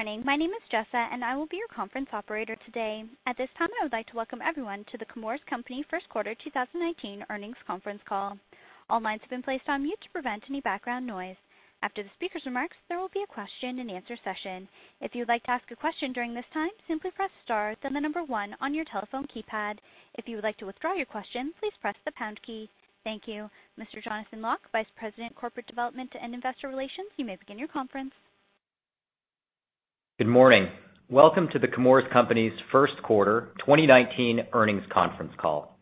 Good morning. My name is Jessa, and I will be your conference operator today. At this time, I would like to welcome everyone to The Chemours Company First Quarter 2019 Earnings Conference Call. All lines have been placed on mute to prevent any background noise. After the speaker's remarks, there will be a question and answer session. If you'd like to ask a question during this time, simply press star then the number 1 on your telephone keypad. If you would like to withdraw your question, please press the pound key. Thank you. Mr. Jonathan Lock, Vice President, Corporate Development and Investor Relations, you may begin your conference. Good morning. Welcome to The Chemours Company's First Quarter 2019 Earnings Conference Call.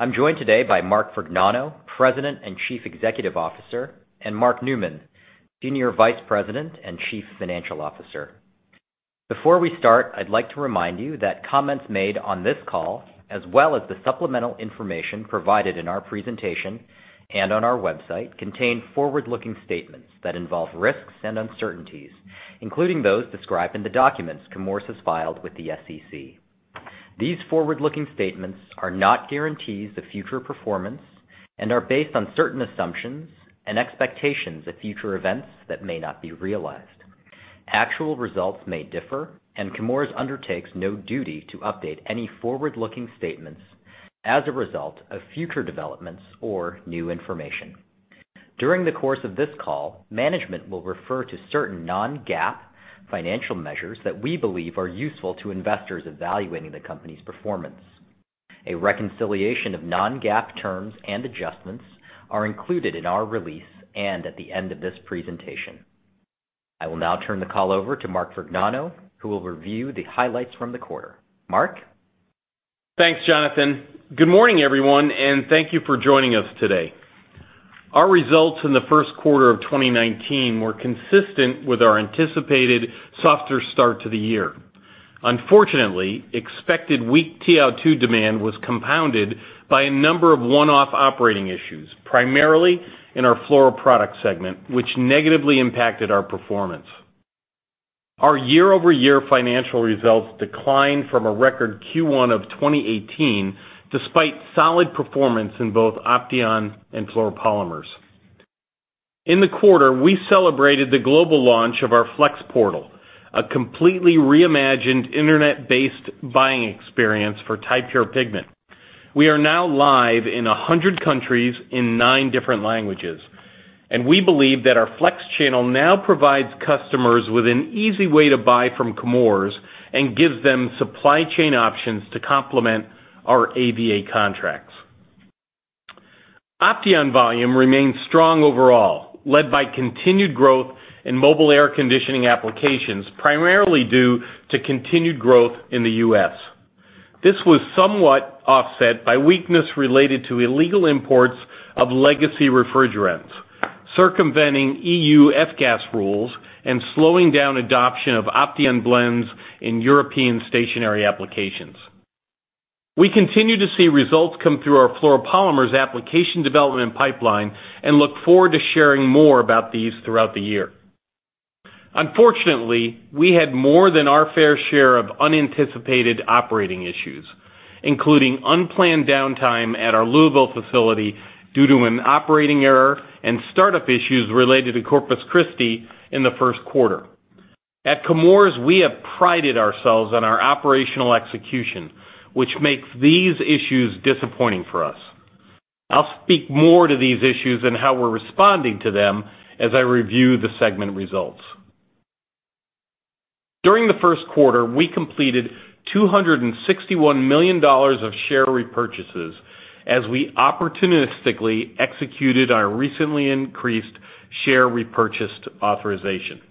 I'm joined today by Mark Vergnano, President and Chief Executive Officer, and Mark Newman, Senior Vice President and Chief Financial Officer. Before we start, I'd like to remind you that comments made on this call, as well as the supplemental information provided in our presentation and on our website, contain forward-looking statements that involve risks and uncertainties, including those described in the documents Chemours has filed with the SEC. These forward-looking statements are not guarantees of future performance and are based on certain assumptions and expectations of future events that may not be realized. Actual results may differ, Chemours undertakes no duty to update any forward-looking statements as a result of future developments or new information. During the course of this call, management will refer to certain non-GAAP financial measures that we believe are useful to investors evaluating the company's performance. A reconciliation of non-GAAP terms and adjustments are included in our release and at the end of this presentation. I will now turn the call over to Mark Vergnano, who will review the highlights from the quarter. Mark? Thanks, Jonathan. Good morning, everyone, and thank you for joining us today. Our results in the first quarter of 2019 were consistent with our anticipated softer start to the year. Unfortunately, expected weak TiO2 demand was compounded by a number of one-off operating issues, primarily in our Fluoroproducts segment, which negatively impacted our performance. Our year-over-year financial results declined from a record Q1 of 2018, despite solid performance in both Opteon and fluoropolymers. In the quarter, we celebrated the global launch of our FlexPortal, a completely reimagined internet-based buying experience for Ti-Pure pigment. We are now live in 100 countries in nine different languages, and we believe that our Flex channel now provides customers with an easy way to buy from Chemours and gives them supply chain options to complement our AVA contracts. Opteon volume remains strong overall, led by continued growth in mobile air conditioning applications, primarily due to continued growth in the U.S. This was somewhat offset by weakness related to illegal imports of legacy refrigerants, circumventing EU F-gas rules and slowing down adoption of Opteon blends in European stationary applications. We continue to see results come through our fluoropolymers application development pipeline and look forward to sharing more about these throughout the year. Unfortunately, we had more than our fair share of unanticipated operating issues, including unplanned downtime at our Louisville facility due to an operating error and startup issues related to Corpus Christi in the first quarter. At Chemours, we have prided ourselves on our operational execution, which makes these issues disappointing for us. I'll speak more to these issues and how we're responding to them as I review the segment results. During the first quarter, we completed $261 million of share repurchases as we opportunistically executed our recently increased share repurchase authorization.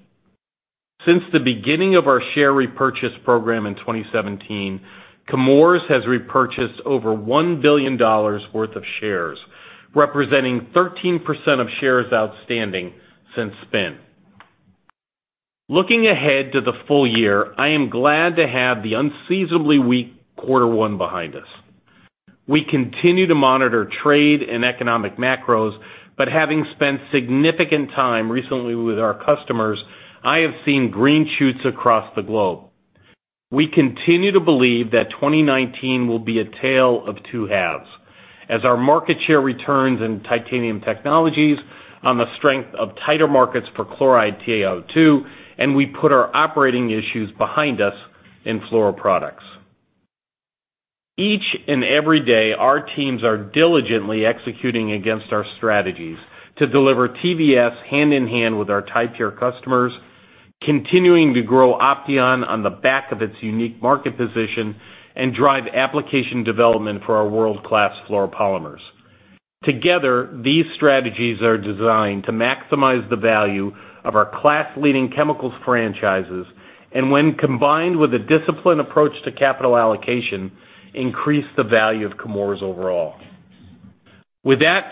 Since the beginning of our share repurchase program in 2017, Chemours has repurchased over $1 billion worth of shares, representing 13% of shares outstanding since spin. Looking ahead to the full year, I am glad to have the unseasonably weak quarter one behind us. We continue to monitor trade and economic macros, but having spent significant time recently with our customers, I have seen green shoots across the globe. We continue to believe that 2019 will be a tale of two halves as our market share returns in Titanium Technologies on the strength of tighter markets for chloride TiO2, and we put our operating issues behind us in fluoroproducts. Each and every day, our teams are diligently executing against our strategies to deliver TVS hand in hand with our Ti-Pure customers, continuing to grow Opteon on the back of its unique market position and drive application development for our world-class fluoropolymers. Together, these strategies are designed to maximize the value of our class-leading chemicals franchises, and when combined with a disciplined approach to capital allocation, increase the value of Chemours overall.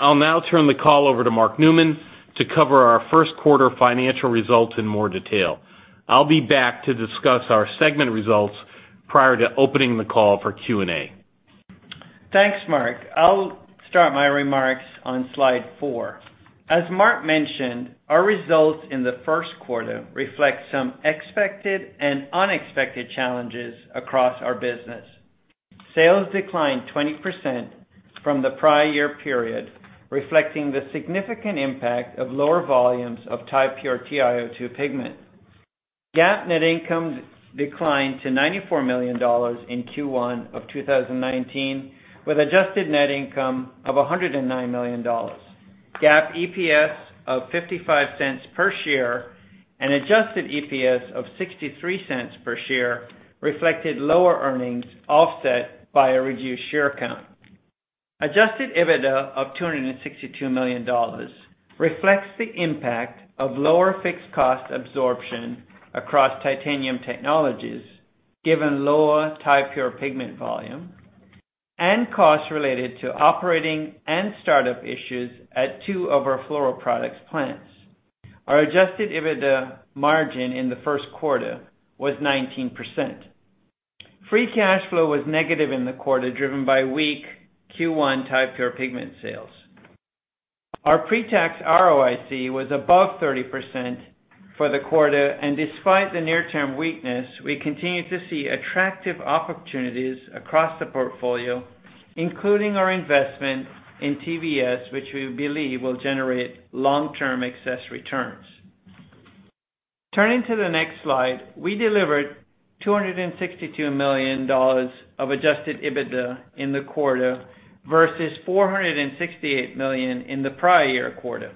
I'll now turn the call over to Mark Newman to cover our first quarter financial results in more detail. I'll be back to discuss our segment results prior to opening the call for Q&A. Thanks, Mark. I'll start my remarks on slide four. As Mark mentioned, our results in the first quarter reflect some expected and unexpected challenges across our business. Sales declined 20% from the prior year period, reflecting the significant impact of lower volumes of Ti-Pure TiO2 pigment. GAAP net income declined to $94 million in Q1 of 2019, with adjusted net income of $109 million. GAAP EPS of $0.55 per share and adjusted EPS of $0.63 per share reflected lower earnings offset by a reduced share count. Adjusted EBITDA of $262 million reflects the impact of lower fixed cost absorption across Titanium Technologies, given lower Ti-Pure pigment volume and costs related to operating and startup issues at two of our fluoroproducts plants. Our adjusted EBITDA margin in the first quarter was 19%. Free cash flow was negative in the quarter, driven by weak Q1 Ti-Pure pigment sales. Our pre-tax ROIC was above 30% for the quarter. Despite the near-term weakness, we continue to see attractive opportunities across the portfolio, including our investment in TVS, which we believe will generate long-term excess returns. Turning to the next slide, we delivered $262 million of adjusted EBITDA in the quarter versus $468 million in the prior year quarter.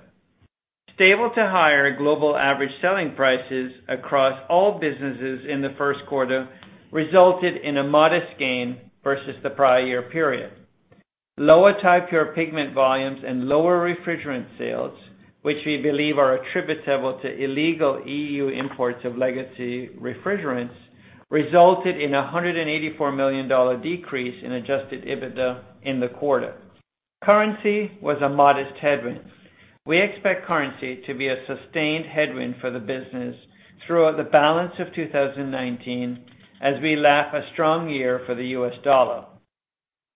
Stable to higher global average selling prices across all businesses in the first quarter resulted in a modest gain versus the prior year period. Lower Ti-Pure pigment volumes and lower refrigerant sales, which we believe are attributable to illegal EU imports of legacy refrigerants, resulted in a $184 million decrease in adjusted EBITDA in the quarter. Currency was a modest headwind. We expect currency to be a sustained headwind for the business throughout the balance of 2019 as we lap a strong year for the US dollar.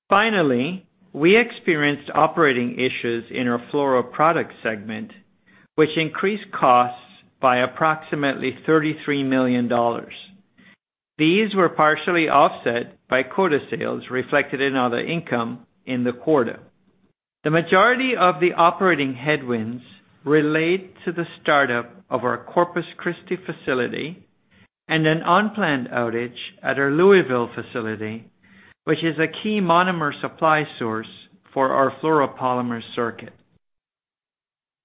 Finally, we experienced operating issues in our fluoroproducts segment, which increased costs by approximately $33 million. These were partially offset by quota sales reflected in other income in the quarter. The majority of the operating headwinds relate to the startup of our Corpus Christi facility and an unplanned outage at our Louisville facility, which is a key monomer supply source for our fluoropolymer circuit.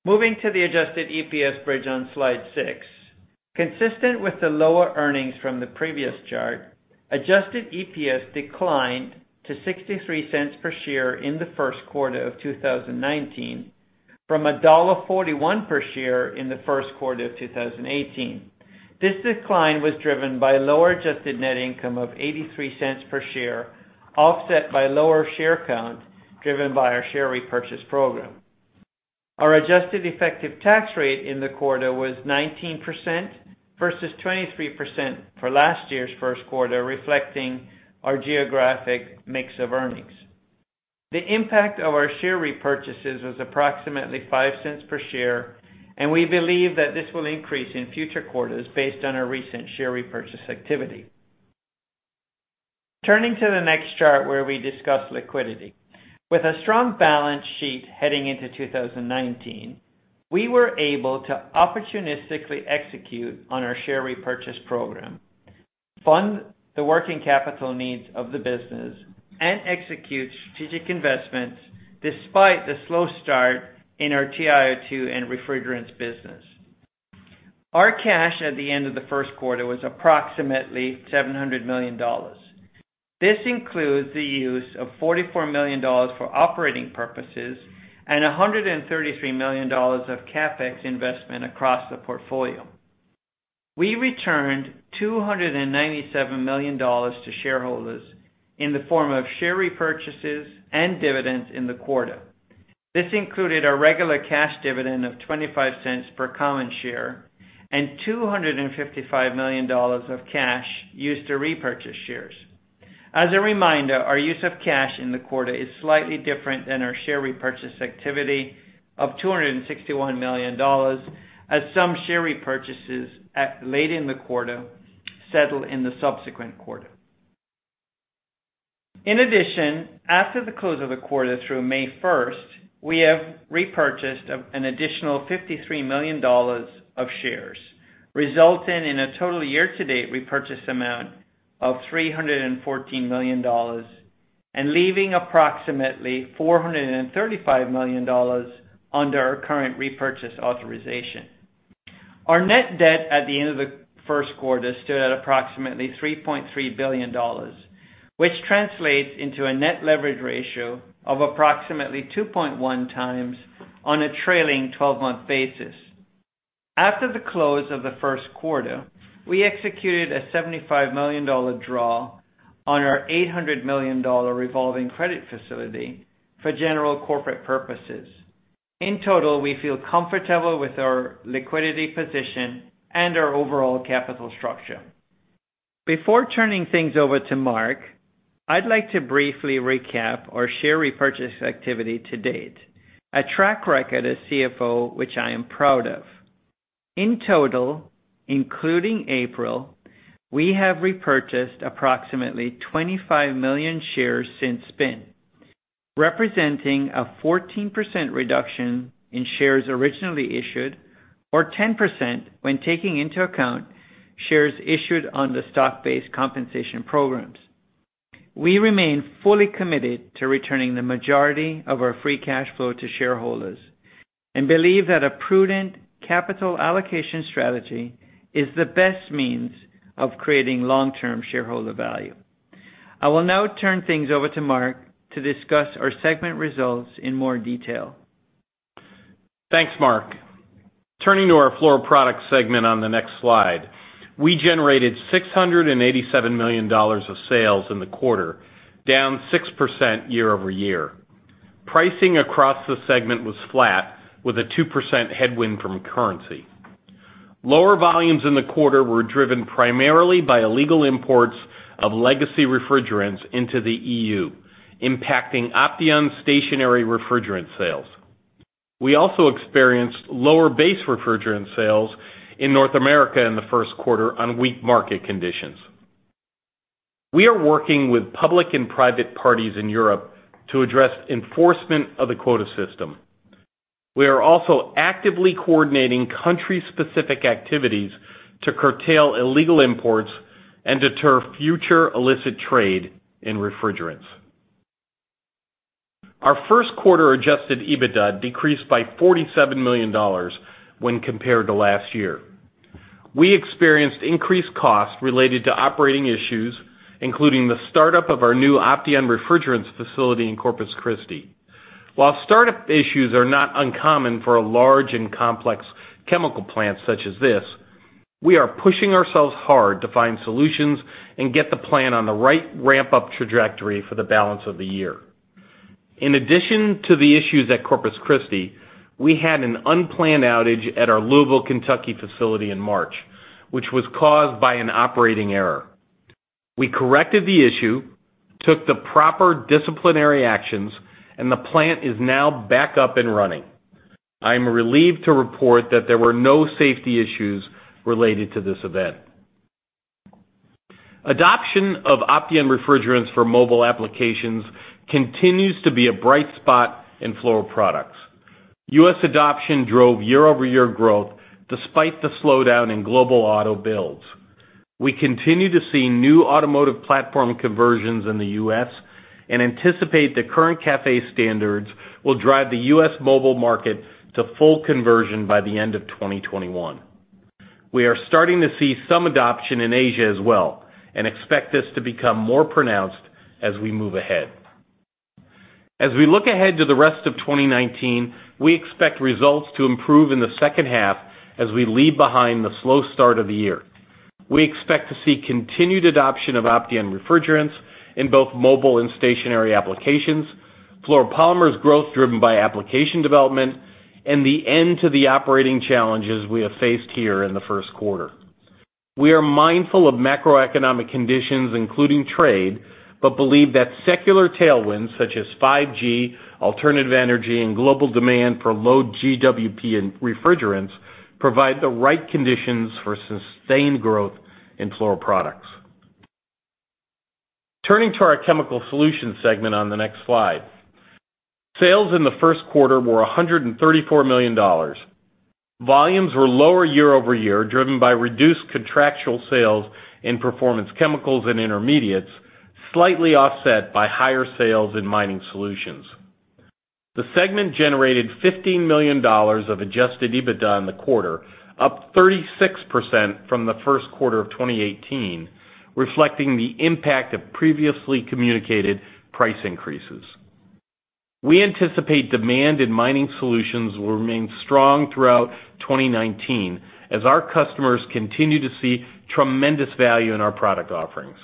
Moving to the adjusted EPS bridge on Slide six. Consistent with the lower earnings from the previous chart, adjusted EPS declined to $0.63 per share in the first quarter of 2019 from $1.41 per share in the first quarter of 2018. This decline was driven by lower adjusted net income of $0.83 per share, offset by lower share count driven by our share repurchase program. Our adjusted effective tax rate in the quarter was 19% versus 23% for last year's first quarter, reflecting our geographic mix of earnings. The impact of our share repurchases was approximately $0.05 per share. We believe that this will increase in future quarters based on our recent share repurchase activity. Turning to the next chart where we discuss liquidity. With a strong balance sheet heading into 2019, we were able to opportunistically execute on our share repurchase program, fund the working capital needs of the business, and execute strategic investments despite the slow start in our TiO2 and refrigerants business. Our cash at the end of the first quarter was approximately $700 million. This includes the use of $44 million for operating purposes and $133 million of CapEx investment across the portfolio. We returned $297 million to shareholders in the form of share repurchases and dividends in the quarter. This included a regular cash dividend of $0.25 per common share and $255 million of cash used to repurchase shares. As a reminder, our use of cash in the quarter is slightly different than our share repurchase activity of $261 million, as some share repurchases late in the quarter settle in the subsequent quarter. In addition, after the close of the quarter through May 1st, we have repurchased an additional $53 million of shares, resulting in a total year-to-date repurchase amount of $314 million and leaving approximately $435 million under our current repurchase authorization. Our net debt at the end of the first quarter stood at approximately $3.3 billion, which translates into a net leverage ratio of approximately 2.1 times on a trailing 12-month basis. After the close of the first quarter, we executed a $75 million draw on our $800 million revolving credit facility for general corporate purposes. In total, we feel comfortable with our liquidity position and our overall capital structure. Before turning things over to Mark, I'd like to briefly recap our share repurchase activity to date, a track record as CFO, which I am proud of. In total, including April, we have repurchased approximately 25 million shares since spin, representing a 14% reduction in shares originally issued, or 10% when taking into account shares issued on the stock-based compensation programs. We remain fully committed to returning the majority of our free cash flow to shareholders and believe that a prudent capital allocation strategy is the best means of creating long-term shareholder value. I will now turn things over to Mark to discuss our segment results in more detail. Thanks, Mark. Turning to our fluoroproduct segment on the next slide, we generated $687 million of sales in the quarter, down 6% year-over-year. Pricing across the segment was flat with a 2% headwind from currency. Lower volumes in the quarter were driven primarily by illegal imports of legacy refrigerants into the EU, impacting Opteon stationary refrigerant sales. We also experienced lower base refrigerant sales in North America in the first quarter on weak market conditions. We are working with public and private parties in Europe to address enforcement of the quota system. We are also actively coordinating country-specific activities to curtail illegal imports and deter future illicit trade in refrigerants. Our first quarter adjusted EBITDA decreased by $47 million when compared to last year. We experienced increased costs related to operating issues, including the startup of our new Opteon Refrigerants facility in Corpus Christi. While startup issues are not uncommon for a large and complex chemical plant such as this, we are pushing ourselves hard to find solutions and get the plant on the right ramp-up trajectory for the balance of the year. In addition to the issues at Corpus Christi, we had an unplanned outage at our Louisville, Kentucky facility in March, which was caused by an operating error. We corrected the issue, took the proper disciplinary actions, and the plant is now back up and running. I am relieved to report that there were no safety issues related to this event. Adoption of Opteon Refrigerants for mobile applications continues to be a bright spot in fluoroproducts. U.S. adoption drove year-over-year growth despite the slowdown in global auto builds. We continue to see new automotive platform conversions in the U.S. and anticipate the current CAFE standards will drive the U.S. mobile market to full conversion by the end of 2021. We are starting to see some adoption in Asia as well and expect this to become more pronounced as we move ahead. As we look ahead to the rest of 2019, we expect results to improve in the second half as we leave behind the slow start of the year. We expect to see continued adoption of Opteon Refrigerants in both mobile and stationary applications, fluoropolymers growth driven by application development, and the end to the operating challenges we have faced here in the first quarter. We are mindful of macroeconomic conditions, including trade. Believe that secular tailwinds such as 5G, alternative energy, and global demand for low GWP in refrigerants provide the right conditions for sustained growth in fluoroproducts. Turning to our chemical solutions segment on the next slide. Sales in the first quarter were $134 million. Volumes were lower year-over-year, driven by reduced contractual sales in performance chemicals and intermediates, slightly offset by higher sales in mining solutions. The segment generated $15 million of adjusted EBITDA in the quarter, up 36% from the first quarter of 2018, reflecting the impact of previously communicated price increases. We anticipate demand in mining solutions will remain strong throughout 2019 as our customers continue to see tremendous value in our product offerings.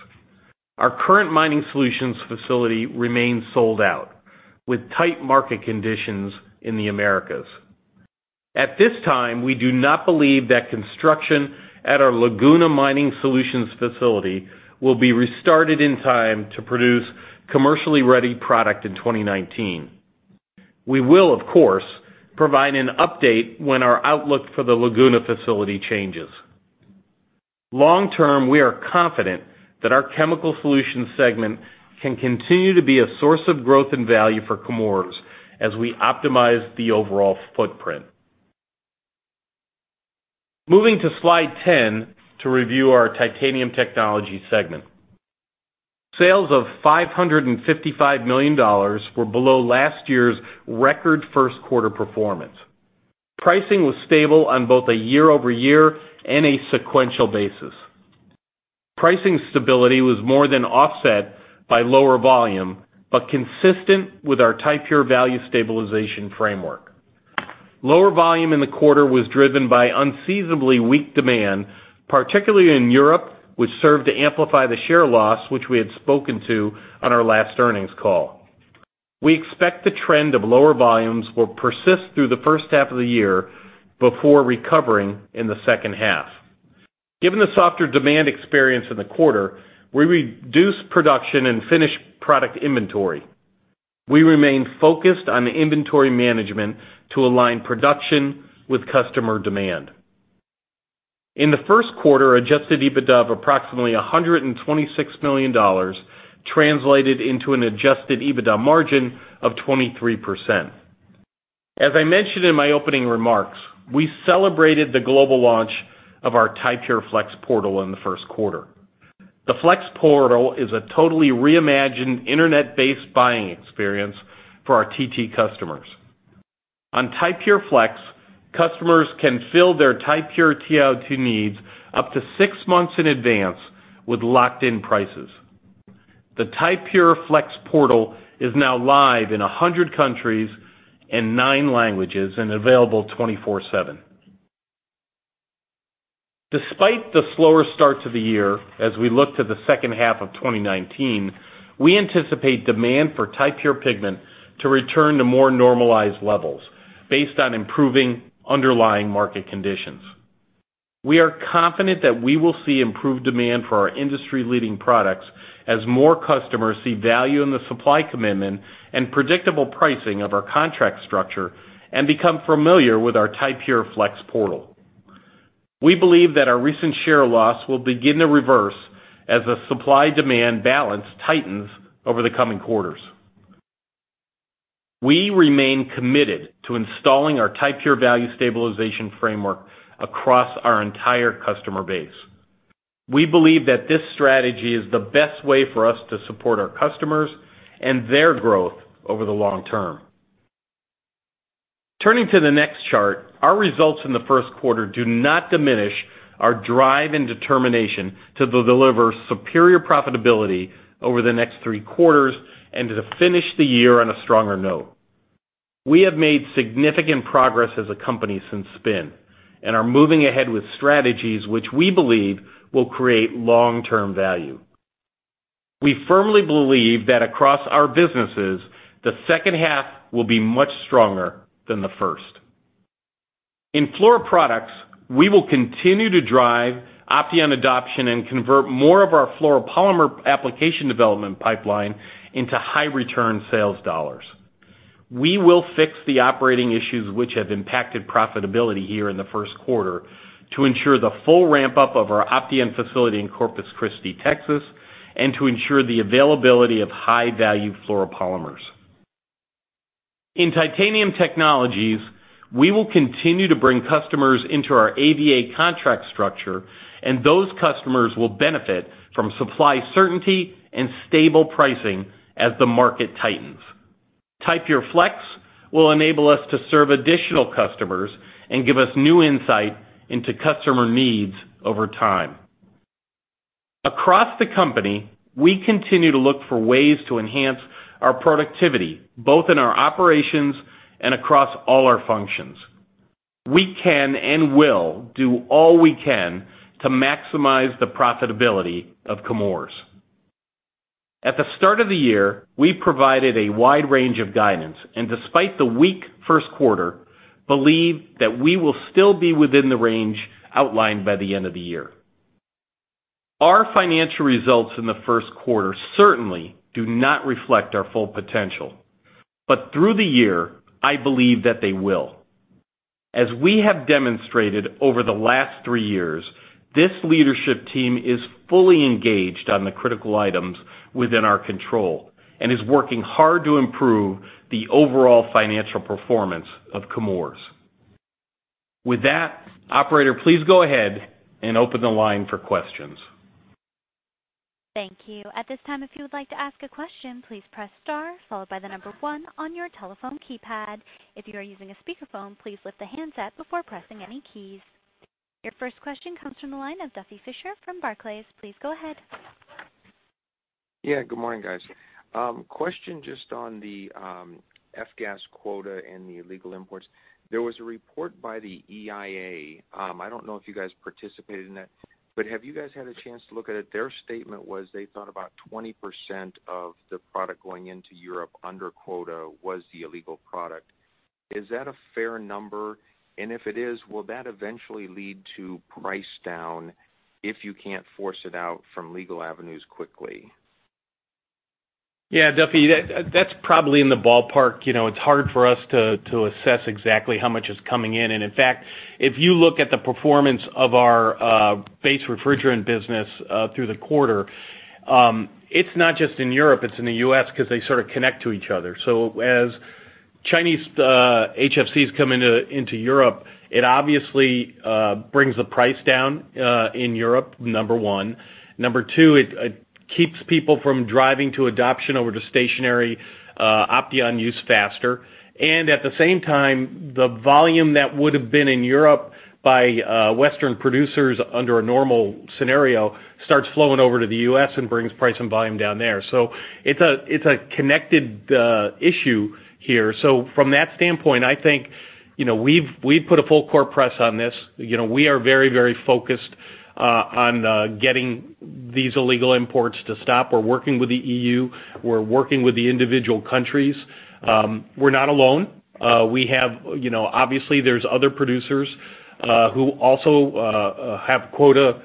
Our current mining solutions facility remains sold out with tight market conditions in the Americas. At this time, we do not believe that construction at our Laguna Mining Solutions facility will be restarted in time to produce commercially ready product in 2019. We will, of course, provide an update when our outlook for the Laguna facility changes. Long term, we are confident that our chemical solutions segment can continue to be a source of growth and value for Chemours as we optimize the overall footprint. Moving to slide 10 to review our titanium technologies segment. Sales of $555 million were below last year's record first quarter performance. Pricing was stable on both a year-over-year and a sequential basis. Pricing stability was more than offset by lower volume. Consistent with our Ti-Pure Value Stabilization framework. Lower volume in the quarter was driven by unseasonably weak demand, particularly in Europe, which served to amplify the share loss which we had spoken to on our last earnings call. We expect the trend of lower volumes will persist through the first half of the year before recovering in the second half. Given the softer demand experience in the quarter, we reduced production and finished product inventory. We remain focused on the inventory management to align production with customer demand. In the first quarter, adjusted EBITDA of approximately $126 million translated into an adjusted EBITDA margin of 23%. As I mentioned in my opening remarks, we celebrated the global launch of our Ti-Pure Flex portal in the first quarter. The Flex portal is a totally reimagined internet-based buying experience for our TiO2 customers. On Ti-Pure Flex, customers can fill their Ti-Pure TiO2 needs up to 6 months in advance with locked-in prices. The Ti-Pure Flex portal is now live in 100 countries, in 9 languages, and available 24/7. Despite the slower start to the year, as we look to the second half of 2019, we anticipate demand for Ti-Pure pigment to return to more normalized levels based on improving underlying market conditions. We are confident that we will see improved demand for our industry-leading products as more customers see value in the supply commitment and predictable pricing of our contract structure and become familiar with our Ti-Pure Flex Portal. We believe that our recent share loss will begin to reverse as the supply-demand balance tightens over the coming quarters. We remain committed to installing our Ti-Pure Value Stabilization framework across our entire customer base. We believe that this strategy is the best way for us to support our customers and their growth over the long term. Turning to the next chart, our results in the first quarter do not diminish our drive and determination to deliver superior profitability over the next 3 quarters and to finish the year on a stronger note. We have made significant progress as a company since spin and are moving ahead with strategies which we believe will create long-term value. We firmly believe that across our businesses, the second half will be much stronger than the first. In fluoroproducts, we will continue to drive Opteon adoption and convert more of our fluoropolymer application development pipeline into high-return sales dollars. We will fix the operating issues which have impacted profitability here in the first quarter to ensure the full ramp-up of our Opteon facility in Corpus Christi, Texas, and to ensure the availability of high-value fluoropolymers. In Titanium Technologies, we will continue to bring customers into our AVA contract structure, and those customers will benefit from supply certainty and stable pricing as the market tightens. Ti-Pure Flex will enable us to serve additional customers and give us new insight into customer needs over time. Across the company, we continue to look for ways to enhance our productivity, both in our operations and across all our functions. We can and will do all we can to maximize the profitability of Chemours. At the start of the year, we provided a wide range of guidance, and despite the weak first quarter, believe that we will still be within the range outlined by the end of the year. Our financial results in the first quarter certainly do not reflect our full potential, but through the year, I believe that they will. As we have demonstrated over the last 3 years, this leadership team is fully engaged on the critical items within our control and is working hard to improve the overall financial performance of Chemours. With that, operator, please go ahead and open the line for questions. Thank you. At this time, if you would like to ask a question, please press star followed by the number 1 on your telephone keypad. If you are using a speakerphone, please lift the handset before pressing any keys. Your first question comes from the line of Duffy Fisher from Barclays. Please go ahead. Yeah, good morning, guys. Question just on the F-gas quota and the illegal imports. There was a report by the EIA, I don't know if you guys participated in that, but have you guys had a chance to look at it? Their statement was they thought about 20% of the product going into Europe under quota was the illegal product. Is that a fair number? If it is, will that eventually lead to price down if you can't force it out from legal avenues quickly? Yeah, Duffy. That's probably in the ballpark. It's hard for us to assess exactly how much is coming in. In fact, if you look at the performance of our base refrigerant business through the quarter, it's not just in Europe, it's in the U.S. because they sort of connect to each other. As Chinese HFCs come into Europe, it obviously brings the price down in Europe, number 1. Number 2, it keeps people from driving to adoption over to stationary Opteon use faster. At the same time, the volume that would've been in Europe by Western producers under a normal scenario starts flowing over to the U.S. and brings price and volume down there. It's a connected issue here. From that standpoint, I think we've put a full-court press on this. We are very focused on getting these illegal imports to stop. We're working with the EU. We're working with the individual countries. We're not alone. Obviously, there's other producers who also have quota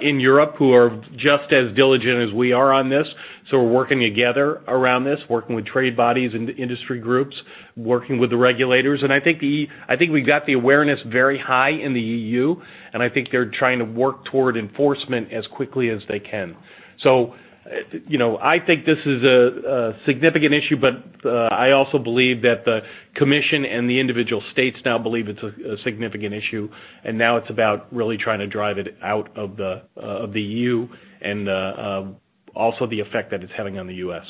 in Europe who are just as diligent as we are on this. We're working together around this, working with trade bodies and industry groups, working with the regulators. I think we've got the awareness very high in the EU. I think they're trying to work toward enforcement as quickly as they can. I think this is a significant issue, but I also believe that the commission and the individual states now believe it's a significant issue. Now it's about really trying to drive it out of the EU and also the effect that it's having on the U.S.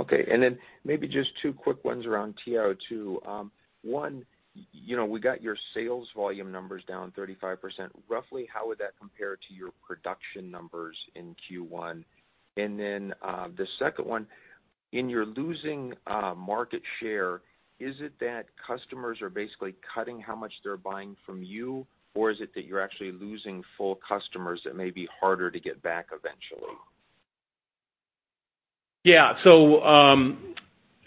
Okay. Maybe just two quick ones around TiO2. One, we got your sales volume numbers down 35%. Roughly, how would that compare to your production numbers in Q1? The second one, in your losing market share, is it that customers are basically cutting how much they're buying from you? Or is it that you're actually losing full customers that may be harder to get back eventually? Yeah.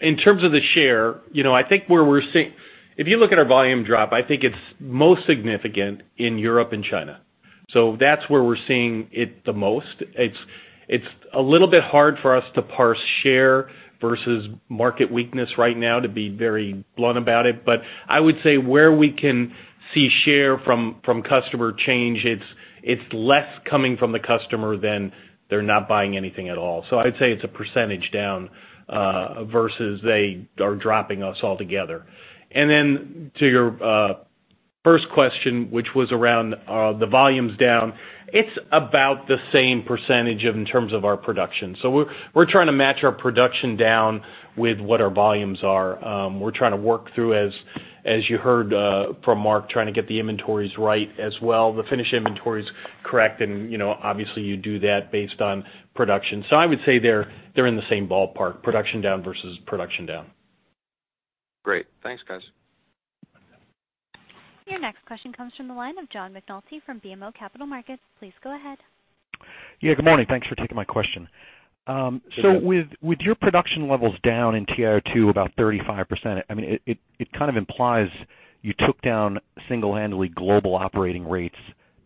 In terms of the share, if you look at our volume drop, I think it's most significant in Europe and China. That's where we're seeing it the most. It's a little bit hard for us to parse share versus market weakness right now, to be very blunt about it. I would say where we can see share from customer change, it's less coming from the customer than they're not buying anything at all. I'd say it's a percentage down, versus they are dropping us altogether. To your first question, which was around the volumes down, it's about the same percentage in terms of our production. We're trying to match our production down with what our volumes are. We're trying to work through, as you heard from Mark, trying to get the inventories right as well, the finished inventories correct, and obviously you do that based on production. I would say they're in the same ballpark, production down versus production down. Great. Thanks, guys. Your next question comes from the line of John McNulty from BMO Capital Markets. Please go ahead. Yeah, good morning. Thanks for taking my question. Yeah. With your production levels down in TiO2 about 35%, it kind of implies you took down single-handedly global operating rates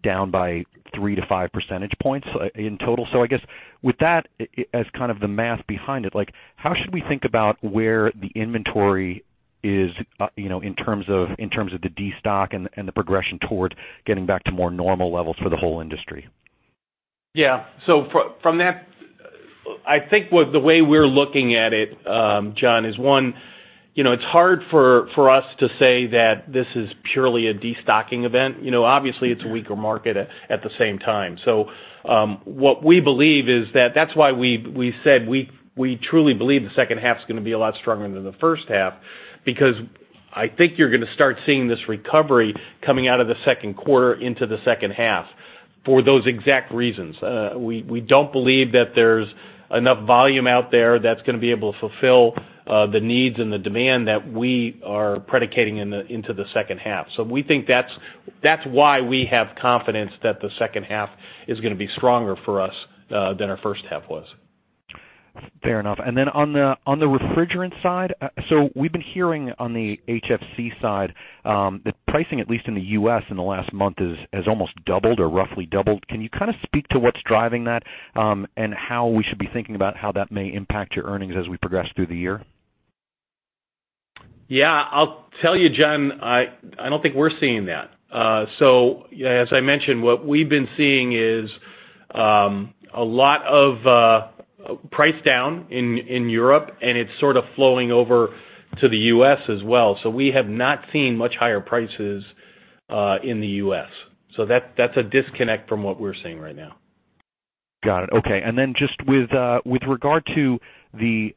down by 3 to 5 percentage points in total. I guess with that as kind of the math behind it, how should we think about where the inventory is in terms of the destock and the progression toward getting back to more normal levels for the whole industry? Yeah. From that, I think the way we're looking at it, John, is one, it's hard for us to say that this is purely a destocking event. Obviously it's a weaker market at the same time. What we believe is that that's why we said we truly believe the second half's going to be a lot stronger than the first half, because I think you're going to start seeing this recovery coming out of the second quarter into the second half for those exact reasons. We don't believe that there's enough volume out there that's going to be able to fulfill the needs and the demand that we are predicating into the second half. We think that's why we have confidence that the second half is going to be stronger for us, than our first half was. Fair enough. On the refrigerant side, we've been hearing on the HFC side, the pricing, at least in the U.S. in the last month has almost doubled or roughly doubled. Can you kind of speak to what's driving that, and how we should be thinking about how that may impact your earnings as we progress through the year? Yeah. I'll tell you, John, I don't think we're seeing that. As I mentioned, what we've been seeing is a lot of price down in Europe, and it's sort of flowing over to the U.S. as well. We have not seen much higher prices in the U.S. That's a disconnect from what we're seeing right now. Got it. Okay. Just with regard to the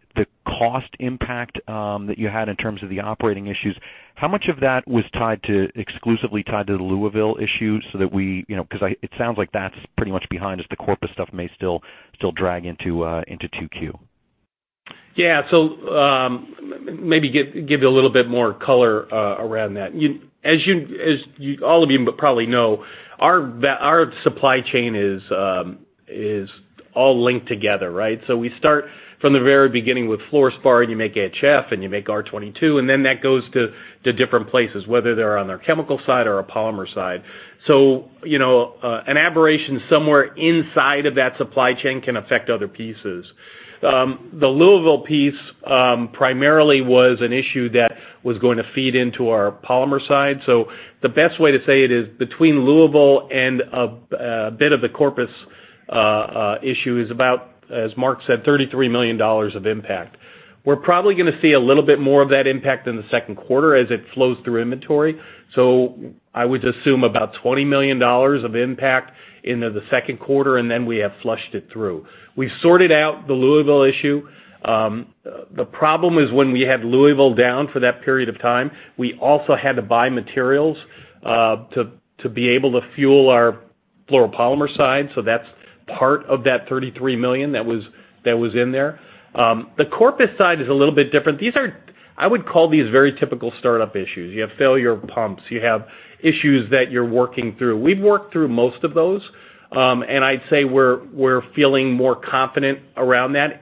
cost impact that you had in terms of the operating issues, how much of that was exclusively tied to the Louisville issue? Because it sounds like that's pretty much behind us. The Corpus stuff may still drag into 2Q. Yeah. Maybe give you a little bit more color around that. As all of you probably know, our supply chain is all linked together, right? We start from the very beginning with fluorspar, you make HF and you make R22, that goes to different places, whether they're on our chemical side or our polymer side. An aberration somewhere inside of that supply chain can affect other pieces. The Louisville piece primarily was an issue that was going to feed into our polymer side. The best way to say it is between Louisville and a bit of the Corpus issue is about, as Mark said, $33 million of impact. We're probably going to see a little bit more of that impact in the second quarter as it flows through inventory. I would assume about $20 million of impact into the second quarter. We have flushed it through. We've sorted out the Louisville issue. The problem is when we had Louisville down for that period of time, we also had to buy materials to be able to fuel our fluoropolymer side. That's part of that $33 million that was in there. The Corpus side is a little bit different. I would call these very typical startup issues. You have failure pumps. You have issues that you're working through. We've worked through most of those, and I'd say we're feeling more confident around that.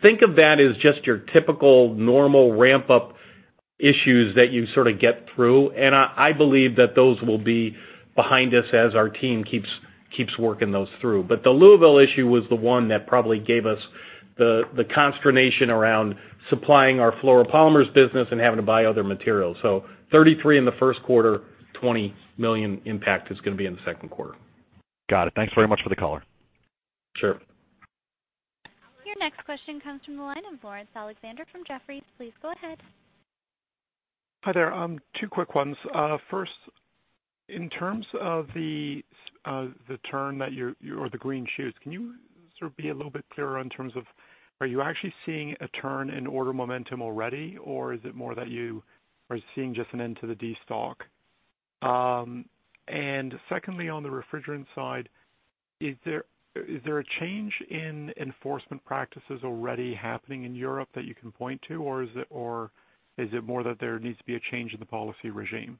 Think of that as just your typical normal ramp-up issues that you sort of get through, and I believe that those will be behind us as our team keeps working those through. The Louisville issue was the one that probably gave us the consternation around supplying our fluoropolymers business and having to buy other materials. $33 million in the first quarter, $20 million impact is going to be in the second quarter. Got it. Thanks very much for the color. Sure. Your next question comes from the line of Laurence Alexander from Jefferies. Please go ahead. Hi there. Two quick ones. First, in terms of the turn that you're or the green shoots, can you sort of be a little bit clearer in terms of, are you actually seeing a turn in order momentum already, or is it more that you are seeing just an end to the destock? Secondly, on the refrigerant side, is there a change in enforcement practices already happening in Europe that you can point to, or is it more that there needs to be a change in the policy regime?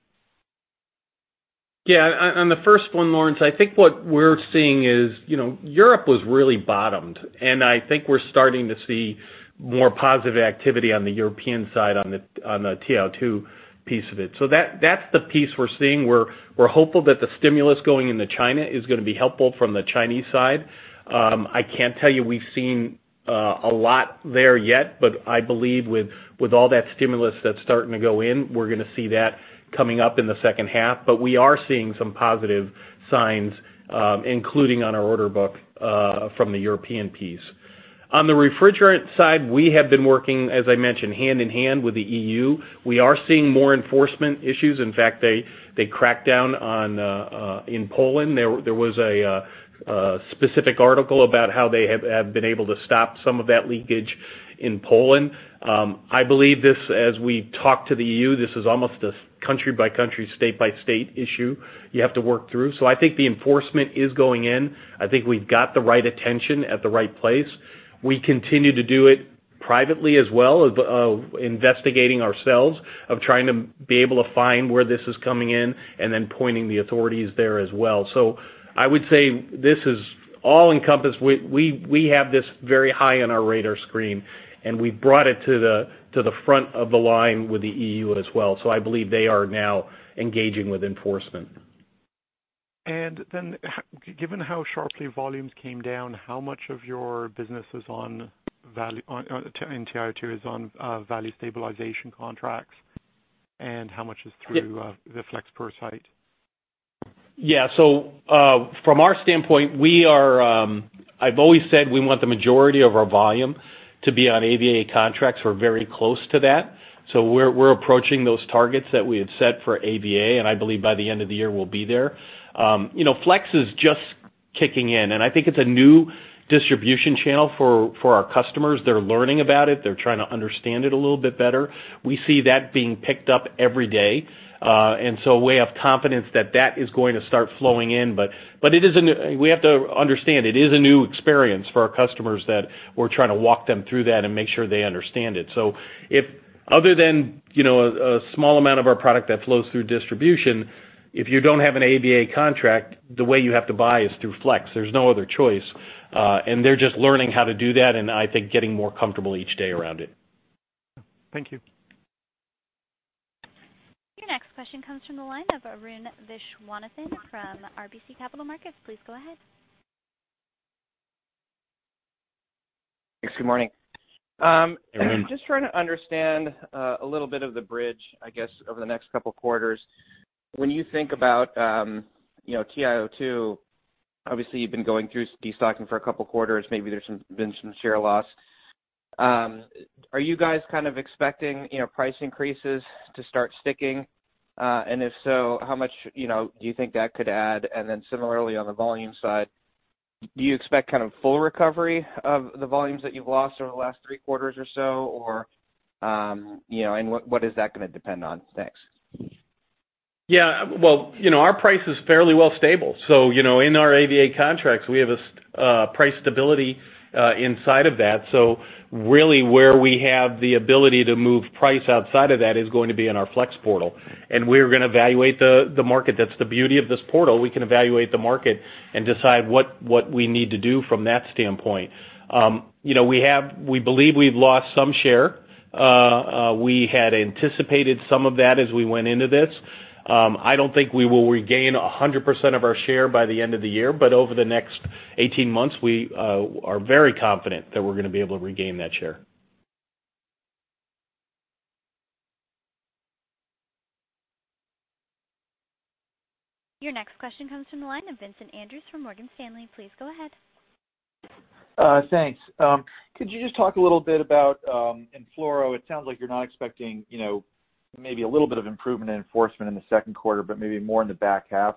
Yeah. On the first one, Laurence, I think what we're seeing is Europe was really bottomed. I think we're starting to see more positive activity on the European side on the TiO2 piece of it. That's the piece we're seeing. We're hopeful that the stimulus going into China is going to be helpful from the Chinese side. I can't tell you we've seen a lot there yet. I believe with all that stimulus that's starting to go in, we're going to see that coming up in the second half. We are seeing some positive signs, including on our order book, from the European piece. On the refrigerant side, we have been working, as I mentioned, hand in hand with the EU. We are seeing more enforcement issues. In fact, they cracked down in Poland. There was a specific article about how they have been able to stop some of that leakage in Poland. I believe this, as we talk to the EU, this is almost a country-by-country, state-by-state issue you have to work through. I think the enforcement is going in. I think we've got the right attention at the right place. We continue to do it privately as well, of investigating ourselves, of trying to be able to find where this is coming in, and then pointing the authorities there as well. I would say this is all encompassed. We have this very high on our radar screen. We've brought it to the front of the line with the EU as well. I believe they are now engaging with enforcement. Given how sharply volumes came down, how much of your business in TiO2 is on Value Stabilization contracts, and how much is through the Flex portal? Yeah. From our standpoint, I've always said we want the majority of our volume to be on AVA contracts. We're very close to that. We're approaching those targets that we have set for AVA, and I believe by the end of the year, we'll be there. Flex is just kicking in, and I think it's a new distribution channel for our customers. They're learning about it. They're trying to understand it a little bit better. We see that being picked up every day. We have confidence that that is going to start flowing in. We have to understand, it is a new experience for our customers that we're trying to walk them through that and make sure they understand it. If other than a small amount of our product that flows through distribution, if you don't have an AVA contract, the way you have to buy is through Flex. There's no other choice. They're just learning how to do that, and I think getting more comfortable each day around it. Thank you. Your next question comes from the line of Arun Viswanathan from RBC Capital Markets. Please go ahead. Thanks. Good morning. Arun. I'm just trying to understand a little bit of the bridge, I guess, over the next couple of quarters. When you think about TiO2, obviously you've been going through destocking for a couple quarters, maybe there's been some share loss. Are you guys kind of expecting price increases to start sticking? If so, how much do you think that could add? Similarly, on the volume side, do you expect kind of full recovery of the volumes that you've lost over the last three quarters or so? What is that going to depend on? Thanks. Yeah. Well, our price is fairly well stable. In our AVA contracts, we have a price stability inside of that. Really where we have the ability to move price outside of that is going to be in our Flex portal. We're going to evaluate the market. That's the beauty of this portal. We can evaluate the market and decide what we need to do from that standpoint. We believe we've lost some share. We had anticipated some of that as we went into this. I don't think we will regain 100% of our share by the end of the year, but over the next 18 months, we are very confident that we're going to be able to regain that share. Your next question comes from the line of Vincent Andrews from Morgan Stanley. Please go ahead. Thanks. Could you just talk a little bit about in fluoro, it sounds like you're not expecting maybe a little bit of improvement in enforcement in the second quarter, but maybe more in the back half.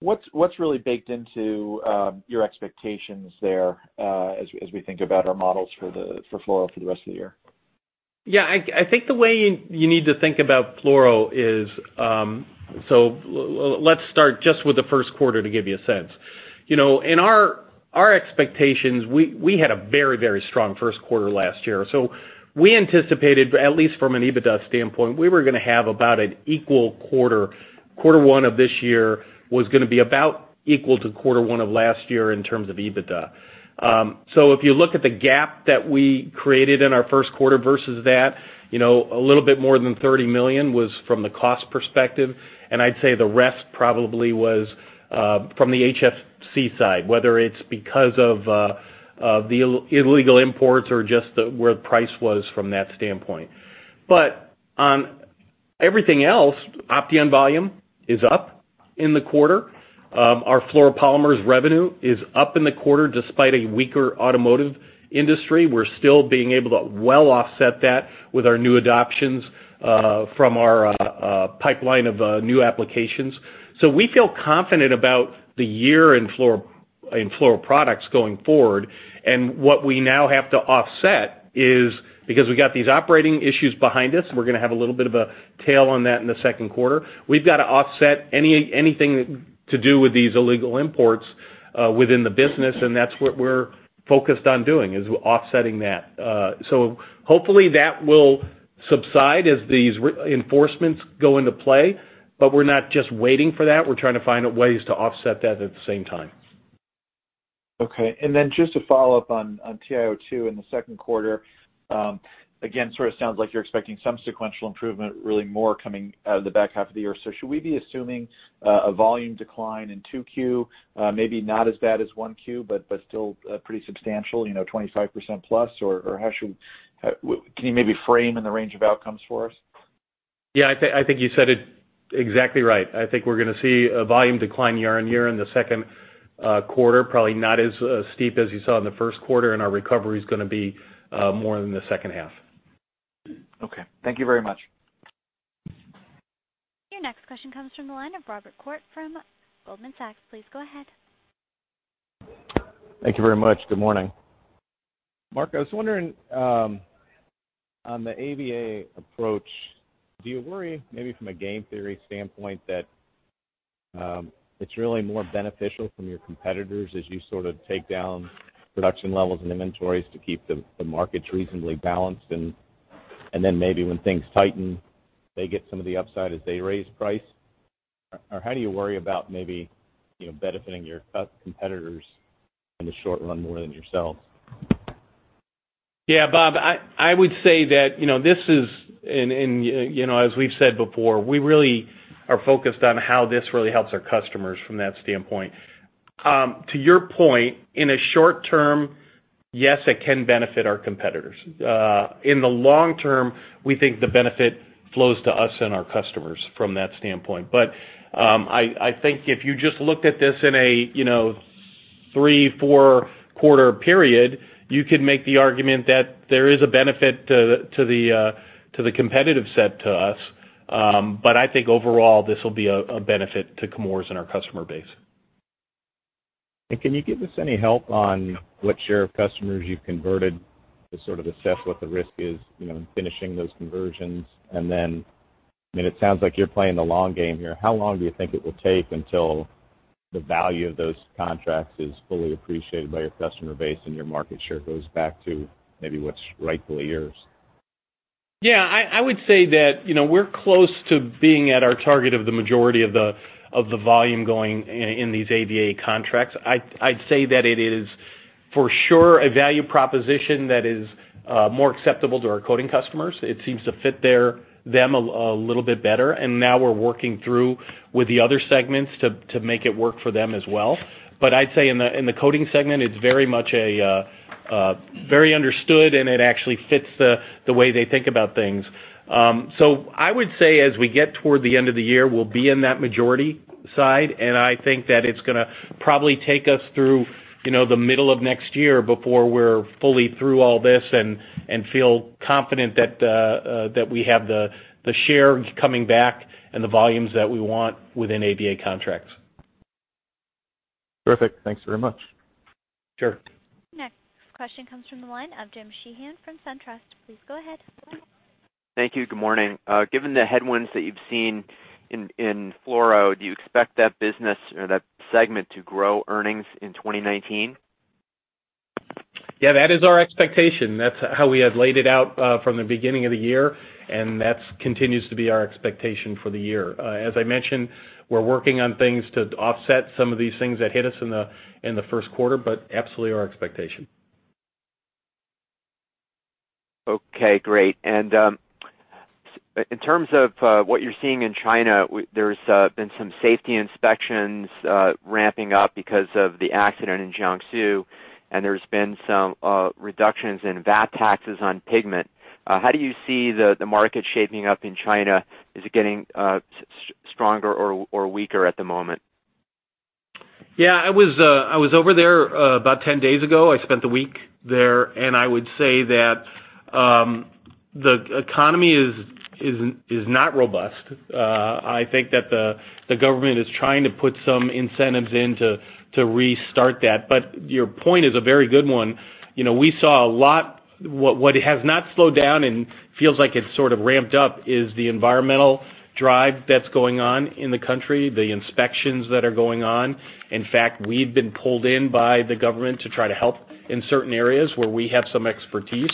What's really baked into your expectations there as we think about our models for fluoro for the rest of the year? Yeah, I think the way you need to think about fluoro is. Let's start just with the first quarter to give you a sense. In our expectations, we had a very strong first quarter last year. We anticipated, at least from an EBITDA standpoint, we were going to have about an equal quarter. Quarter one of this year was going to be about equal to quarter one of last year in terms of EBITDA. If you look at the gap that we created in our first quarter versus that, a little bit more than $30 million was from the cost perspective, and I'd say the rest probably was from the HFC side, whether it's because of the illegal imports or just where the price was from that standpoint. But on everything else, Opteon volume is up in the quarter. Our fluoropolymers revenue is up in the quarter despite a weaker automotive industry. We're still being able to well offset that with our new adoptions from our pipeline of new applications. We feel confident about the year in fluoro products going forward. What we now have to offset is, because we got these operating issues behind us, we're going to have a little bit of a tail on that in the second quarter. We've got to offset anything to do with these illegal imports within the business, and that's what we're focused on doing, is offsetting that. Hopefully that will subside as these enforcements go into play. We're not just waiting for that. We're trying to find ways to offset that at the same time. Okay. Then just to follow up on TiO2 in the second quarter. Again, sort of sounds like you're expecting some sequential improvement, really more coming out of the back half of the year. Should we be assuming a volume decline in two Q, maybe not as bad as one Q, but still pretty substantial, 25%+, or Can you maybe frame in the range of outcomes for us? Yeah, I think you said it exactly right. I think we're going to see a volume decline year-over-year in the second quarter, probably not as steep as you saw in the first quarter, and our recovery's going to be more in the second half. Okay. Thank you very much. Your next question comes from the line of Robert Koort from Goldman Sachs. Please go ahead. Thank you very much. Good morning. Mark, I was wondering, on the AVA approach, do you worry maybe from a game theory standpoint that it's really more beneficial from your competitors as you sort of take down production levels and inventories to keep the markets reasonably balanced, and then maybe when things tighten, they get some of the upside as they raise price? Or how do you worry about maybe benefiting your competitors in the short run more than yourself? Bob, I would say that this is, as we've said before, we really are focused on how this really helps our customers from that standpoint. To your point, in a short term, yes, it can benefit our competitors. In the long term, we think the benefit flows to us and our customers from that standpoint. I think if you just looked at this in a three, four-quarter period, you could make the argument that there is a benefit to the competitive set to us. I think overall, this will be a benefit to Chemours and our customer base. Can you give us any help on what share of customers you've converted to sort of assess what the risk is in finishing those conversions? It sounds like you're playing the long game here. How long do you think it will take until the value of those contracts is fully appreciated by your customer base and your market share goes back to maybe what's rightfully yours? I would say that we're close to being at our target of the majority of the volume going in these AVA contracts. I'd say that it is for sure a value proposition that is more acceptable to our coating customers. It seems to fit them a little bit better. Now we're working through with the other segments to make it work for them as well. I'd say in the coating segment, it's very understood, it actually fits the way they think about things. I would say as we get toward the end of the year, we'll be in that majority side, I think that it's going to probably take us through the middle of next year before we're fully through all this and feel confident that we have the share coming back and the volumes that we want within AVA contracts. Terrific. Thanks very much. Sure. Next question comes from the line of James Sheehan from SunTrust. Please go ahead. Thank you. Good morning. Given the headwinds that you've seen in fluoro, do you expect that business or that segment to grow earnings in 2019? Yeah, that is our expectation. That's how we had laid it out from the beginning of the year. That continues to be our expectation for the year. As I mentioned, we're working on things to offset some of these things that hit us in the first quarter, absolutely our expectation. Okay, great. In terms of what you're seeing in China, there's been some safety inspections ramping up because of the accident in Jiangsu. There's been some reductions in VAT taxes on pigment. How do you see the market shaping up in China? Is it getting stronger or weaker at the moment? Yeah, I was over there about 10 days ago. I spent a week there. I would say that the economy is not robust. I think that the government is trying to put some incentives in to restart that. Your point is a very good one. What has not slowed down, feels like it's sort of ramped up, is the environmental drive that's going on in the country, the inspections that are going on. In fact, we've been pulled in by the government to try to help in certain areas where we have some expertise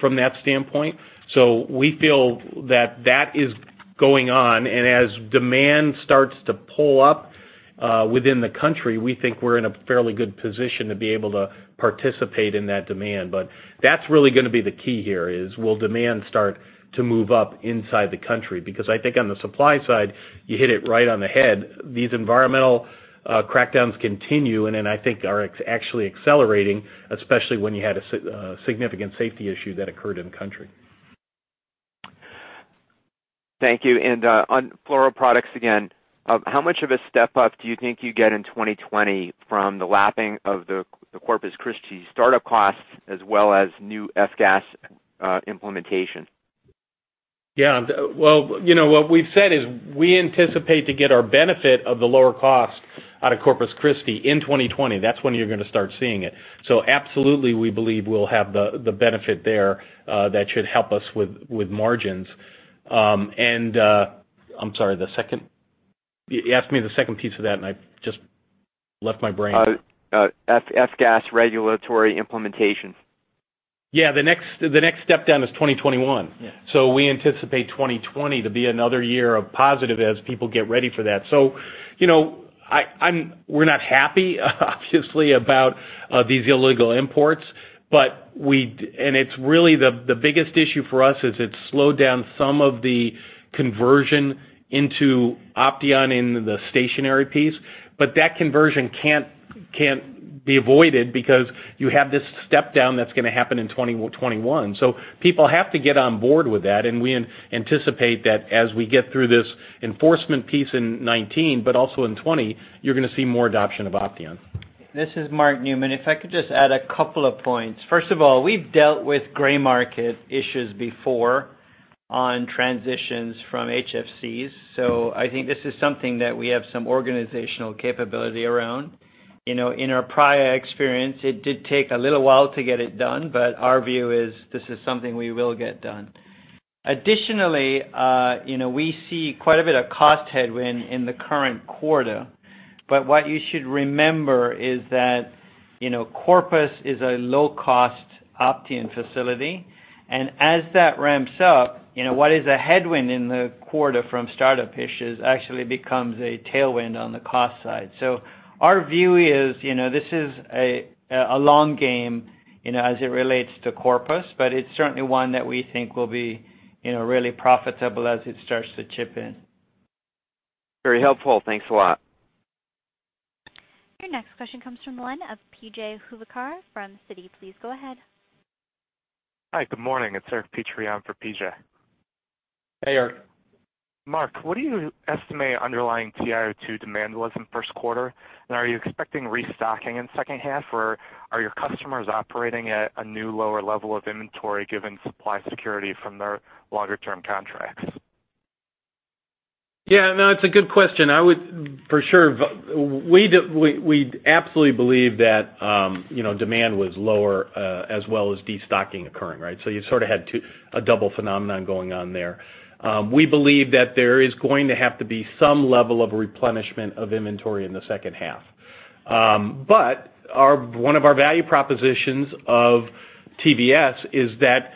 from that standpoint. We feel that is going on. As demand starts to pull up within the country, we think we're in a fairly good position to be able to participate in that demand. That's really going to be the key here is, will demand start to move up inside the country? I think on the supply side, you hit it right on the head. These environmental crackdowns continue, and I think are actually accelerating, especially when you had a significant safety issue that occurred in the country. Thank you. On fluoro products again, how much of a step up do you think you get in 2020 from the lapping of the Corpus Christi startup costs as well as new F-gas implementation? Yeah. Well, what we've said is we anticipate to get our benefit of the lower cost out of Corpus Christi in 2020. That's when you're going to start seeing it. Absolutely, we believe we'll have the benefit there that should help us with margins. I'm sorry, you asked me the second piece of that, and I just left my brain. F-gas regulatory implementation. Yeah. The next step down is 2021. Yeah. We anticipate 2020 to be another year of positive as people get ready for that. We're not happy, obviously, about these illegal imports. It's really the biggest issue for us is it's slowed down some of the conversion into Opteon in the stationary piece. That conversion can't be avoided because you have this step down that's going to happen in 2021. People have to get on board with that, and we anticipate that as we get through this enforcement piece in 2019, but also in 2020, you're going to see more adoption of Opteon. This is Mark Newman. If I could just add a couple of points. First of all, we've dealt with gray market issues before on transitions from HFCs. I think this is something that we have some organizational capability around. In our prior experience, it did take a little while to get it done, but our view is this is something we will get done. Additionally, we see quite a bit of cost headwind in the current quarter. What you should remember is that Corpus is a low-cost Opteon facility. As that ramps up, what is a headwind in the quarter from startup issues actually becomes a tailwind on the cost side. Our view is, this is a long game as it relates to Corpus, but it's certainly one that we think will be really profitable as it starts to chip in. Very helpful. Thanks a lot. Your next question comes from the line of P.J. Juvekar from Citi. Please go ahead. Hi, good morning. It's Eric Petrie for PJ. Hey, Eric. Mark, what do you estimate underlying TiO2 demand was in first quarter? Are you expecting restocking in second half, or are your customers operating at a new lower level of inventory given supply security from their longer term contracts? Yeah, no, it's a good question. We absolutely believe that demand was lower, as well as destocking occurring, right? You sort of had a double phenomenon going on there. We believe that there is going to have to be some level of replenishment of inventory in the second half. One of our value propositions of TVS is that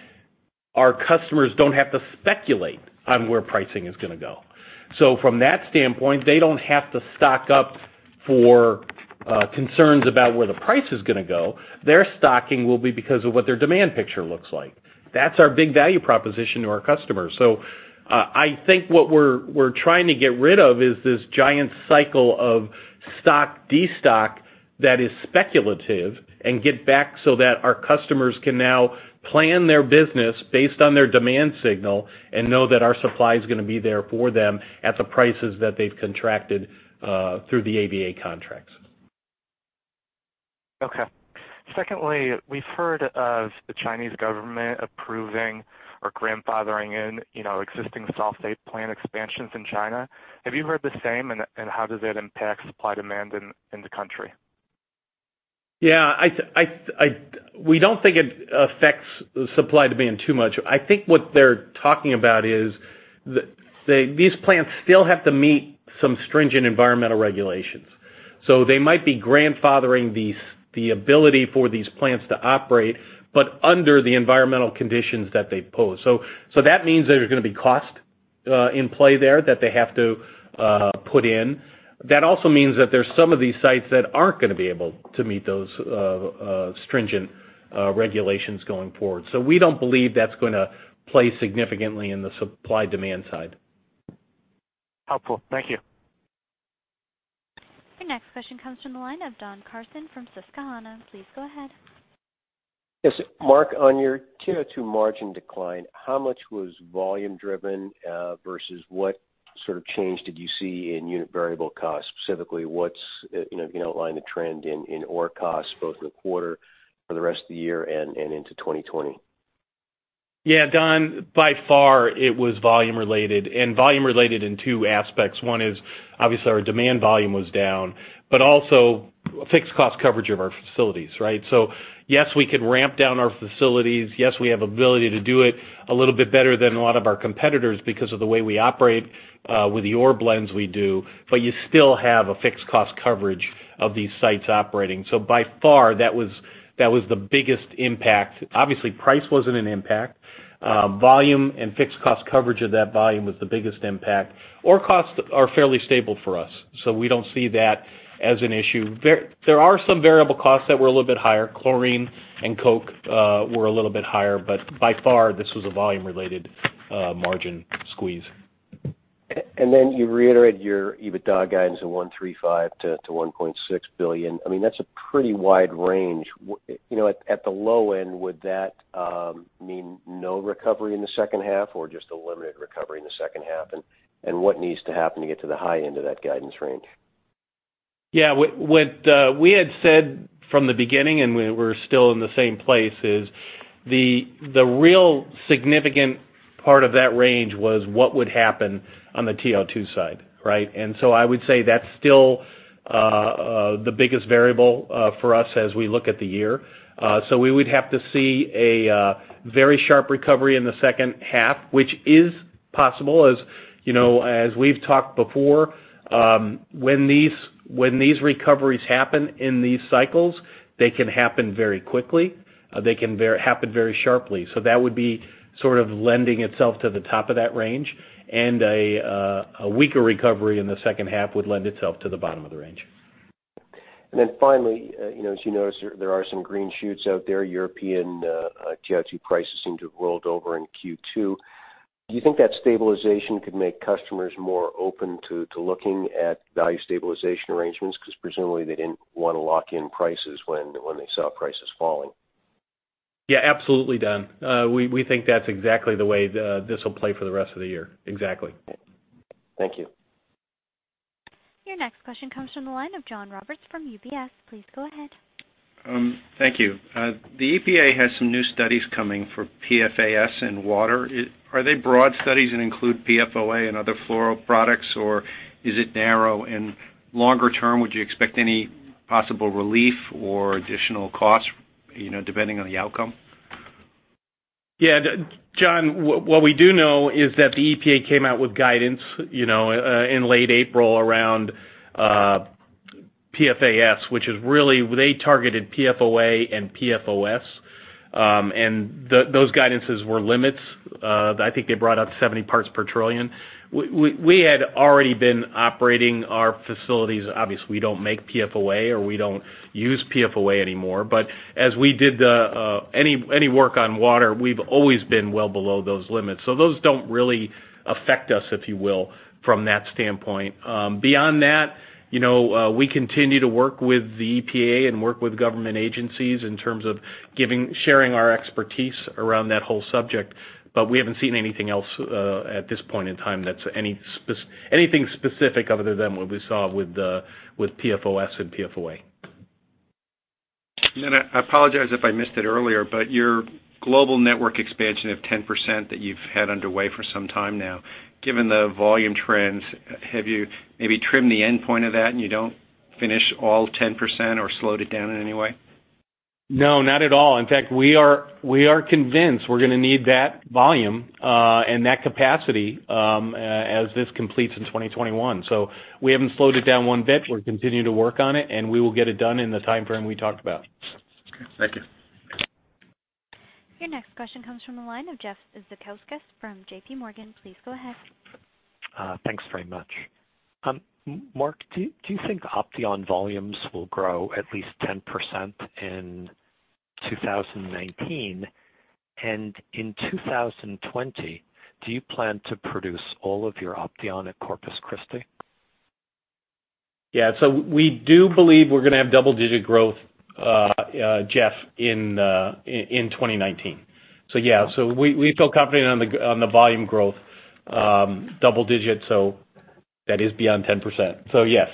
our customers don't have to speculate on where pricing is going to go. From that standpoint, they don't have to stock up for concerns about where the price is going to go. Their stocking will be because of what their demand picture looks like. That's our big value proposition to our customers. I think what we're trying to get rid of is this giant cycle of stock, destock that is speculative and get back so that our customers can now plan their business based on their demand signal and know that our supply is going to be there for them at the prices that they've contracted through the AVA contracts. Okay. Secondly, we've heard of the Chinese government approving or grandfathering in existing sulfate plant expansions in China. Have you heard the same, and how does that impact supply demand in the country? Yeah. We don't think it affects supply-demand too much. I think what they're talking about is these plants still have to meet some stringent environmental regulations. They might be grandfathering the ability for these plants to operate, but under the environmental conditions that they pose. That means there's going to be cost in play there that they have to put in. That also means that there's some of these sites that aren't going to be able to meet those stringent regulations going forward. We don't believe that's going to play significantly in the supply-demand side. Helpful. Thank you. Your next question comes from the line of Don Carson from Susquehanna. Please go ahead. Yes. Mark, on your TiO2 margin decline, how much was volume driven, versus what sort of change did you see in unit variable costs? Specifically, can you outline the trend in ore costs both in the quarter, for the rest of the year, and into 2020? Don, by far, it was volume related, volume related in two aspects. One is obviously our demand volume was down, but also fixed cost coverage of our facilities, right? Yes, we can ramp down our facilities. Yes, we have ability to do it a little bit better than a lot of our competitors because of the way we operate, with the ore blends we do, but you still have a fixed cost coverage of these sites operating. By far, that was the biggest impact. Obviously, price wasn't an impact. Volume and fixed cost coverage of that volume was the biggest impact. Ore costs are fairly stable for us, so we don't see that as an issue. There are some variable costs that were a little bit higher. Chlorine and coke were a little bit higher, by far, this was a volume-related margin squeeze. You reiterate your EBITDA guidance of $1.35 billion-$1.6 billion. That's a pretty wide range. At the low end, would that mean no recovery in the second half or just a limited recovery in the second half? What needs to happen to get to the high end of that guidance range? What we had said from the beginning, we're still in the same place, is the real significant part of that range was what would happen on the TiO2 side, right? I would say that's still the biggest variable for us as we look at the year. We would have to see a very sharp recovery in the second half, which is possible. As we've talked before, when these recoveries happen in these cycles, they can happen very quickly. They can happen very sharply. That would be sort of lending itself to the top of that range, a weaker recovery in the second half would lend itself to the bottom of the range. Finally, as you notice, there are some green shoots out there. European TiO2 prices seem to have rolled over in Q2. Do you think that stabilization could make customers more open to looking at value stabilization arrangements? Presumably, they didn't want to lock in prices when they saw prices falling. Yeah, absolutely, Don. We think that's exactly the way this will play for the rest of the year. Exactly. Thank you. Your next question comes from the line of John Roberts from UBS. Please go ahead. Thank you. The EPA has some new studies coming for PFAS in water. Are they broad studies that include PFOA and other fluoro products, or is it narrow? Longer term, would you expect any possible relief or additional costs, depending on the outcome? John, what we do know is that the EPA came out with guidance in late April around PFAS. They targeted PFOA and PFOS, and those guidances were limits. I think they brought out 70 parts per trillion. We had already been operating our facilities. Obviously, we don't make PFOA, or we don't use PFOA anymore. As we did any work on water, we've always been well below those limits. Those don't really affect us, if you will, from that standpoint. Beyond that, we continue to work with the EPA and work with government agencies in terms of sharing our expertise around that whole subject, but we haven't seen anything else at this point in time that's anything specific other than what we saw with PFOS and PFOA. I apologize if I missed it earlier, but your global network expansion of 10% that you've had underway for some time now, given the volume trends, have you maybe trimmed the endpoint of that and you don't finish all 10% or slowed it down in any way? No, not at all. In fact, we are convinced we're going to need that volume, and that capacity as this completes in 2021. We haven't slowed it down one bit. We're continuing to work on it, and we will get it done in the timeframe we talked about. Okay. Thank you. Your next question comes from the line of Jeffrey Zekauskas from J.P. Morgan. Please go ahead. Thanks very much. Mark, do you think Opteon volumes will grow at least 10% in 2019? In 2020, do you plan to produce all of your Opteon at Corpus Christi? Yeah. We do believe we're going to have double-digit growth, Jeff, in 2019. Yeah. We feel confident on the volume growth, double digits, that is beyond 10%. Yes.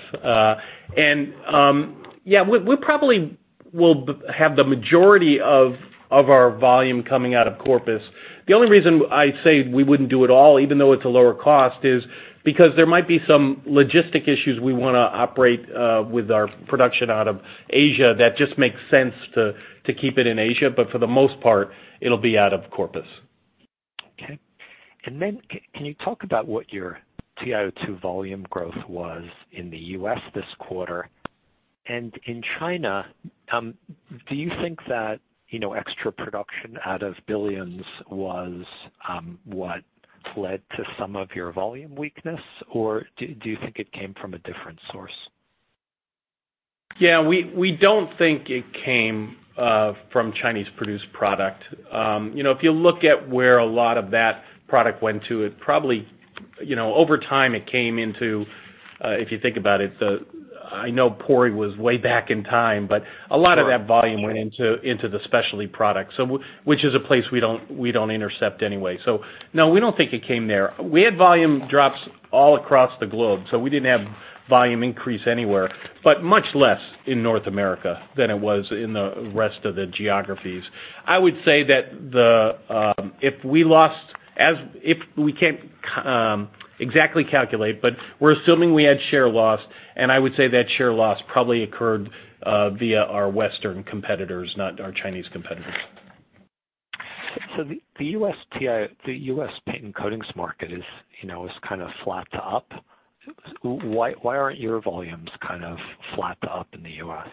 We probably will have the majority of our volume coming out of Corpus. The only reason I say we wouldn't do it all, even though it's a lower cost, is because there might be some logistic issues we want to operate with our production out of Asia that just makes sense to keep it in Asia. For the most part, it'll be out of Corpus. Okay. Can you talk about what your TiO2 volume growth was in the U.S. this quarter? In China, do you think that extra production out of billions was what led to some of your volume weakness, or do you think it came from a different source? Yeah. We don't think it came from Chinese-produced product. If you look at where a lot of that product went to, over time it came into, if you think about it, I know Pori was way back in time, but a lot of that volume went into the specialty product. Which is a place we don't intercept anyway. No, we don't think it came there. We had volume drops all across the globe, so we didn't have volume increase anywhere, but much less in North America than it was in the rest of the geographies. I would say that if we can't exactly calculate, but we're assuming we had share loss, and I would say that share loss probably occurred via our Western competitors, not our Chinese competitors. The U.S. paint and coatings market is kind of flat to up. Why aren't your volumes kind of flat to up in the U.S.?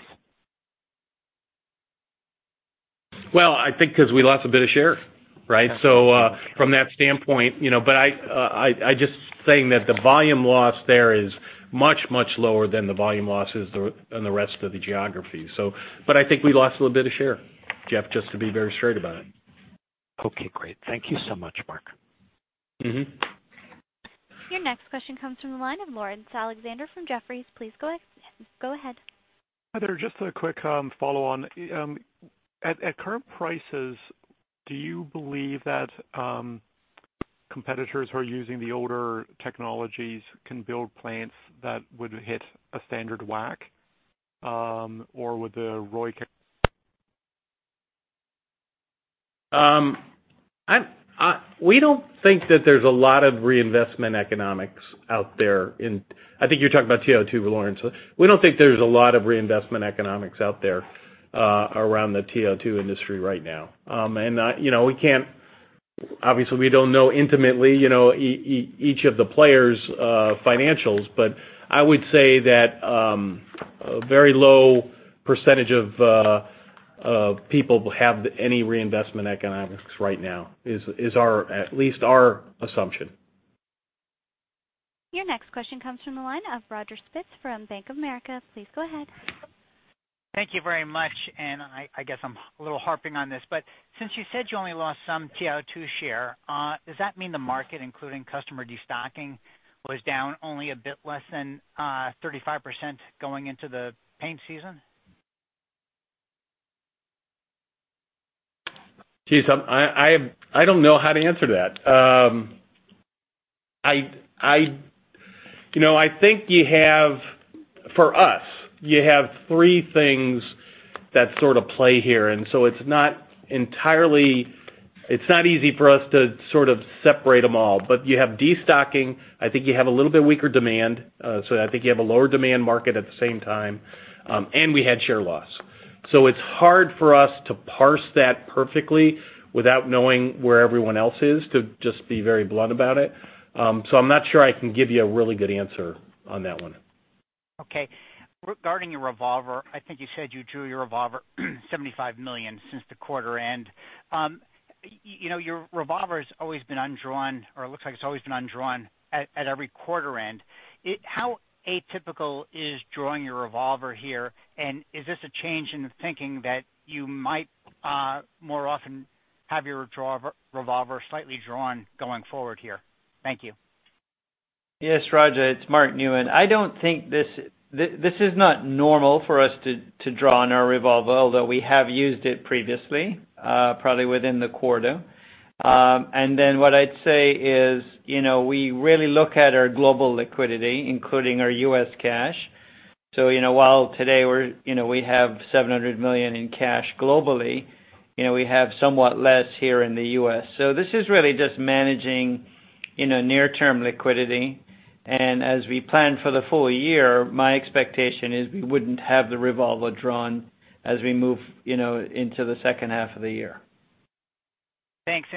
I think because we lost a bit of share, right? From that standpoint. Just saying that the volume loss there is much, much lower than the volume losses in the rest of the geography. I think we lost a little bit of share, Jeff, just to be very straight about it. Okay, great. Thank you so much, Mark. Your next question comes from the line of Laurence Alexander from Jefferies. Please go ahead. Hi there. Just a quick follow-on. At current prices, do you believe that competitors who are using the older technologies can build plants that would hit a standard WACC, or would the ROI? We don't think that there's a lot of reinvestment economics out there. I think you're talking about TiO2, Laurence. We don't think there's a lot of reinvestment economics out there around the TiO2 industry right now. Obviously we don't know intimately each of the players' financials. I would say that a very low percentage of people have any reinvestment economics right now, is at least our assumption. Your next question comes from the line of Roger Spitz from Bank of America. Please go ahead. Thank you very much. I guess I'm a little harping on this, since you said you only lost some TiO2 share, does that mean the market, including customer destocking, was down only a bit less than 35% going into the paint season? Geez, I don't know how to answer that. I think you have, for us, you have three things that sort of play here, it's not easy for us to sort of separate them all. You have destocking, I think you have a little bit weaker demand, I think you have a lower demand market at the same time, and we had share loss. It's hard for us to parse that perfectly without knowing where everyone else is, to just be very blunt about it. I'm not sure I can give you a really good answer on that one. Okay. Regarding your revolver, I think you said you drew your revolver $75 million since the quarter end. Your revolver's always been undrawn, or it looks like it's always been undrawn at every quarter end. How atypical is drawing your revolver here? Is this a change in the thinking that you might more often have your revolver slightly drawn going forward here? Thank you. Yes, Roger, it's Mark Newman. This is not normal for us to draw on our revolver, although we have used it previously, probably within the quarter. What I'd say is, we really look at our global liquidity, including our U.S. cash. While today we have $700 million in cash globally, we have somewhat less here in the U.S. This is really just managing near-term liquidity. As we plan for the full year, my expectation is we wouldn't have the revolver drawn as we move into the second half of the year. Thanks.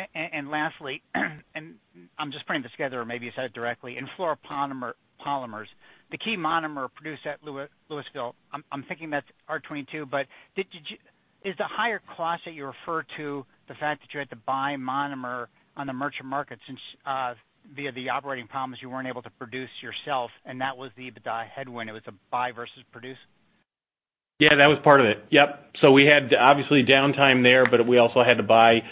Lastly, I'm just putting this together, or maybe you said it directly. In fluoropolymers, the key monomer produced at Louisville, I'm thinking that's R22, but is the higher cost that you refer to the fact that you had to buy monomer on the merchant market since, via the operating problems you weren't able to produce yourself, and that was the EBITDA headwind, it was a buy versus produce? Yeah, that was part of it. Yep. We had obviously downtime there, but we also had to buy